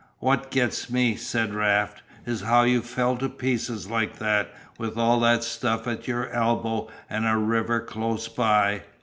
"What gets me," said Raft, "is how you fell to pieces like that, with all that stuff at your elbow and a river close by."